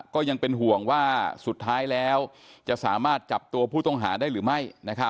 ก็ยังเป็นห่วงว่าสุดท้ายแล้วจะสามารถจับตัวผู้ต้องหาได้หรือไม่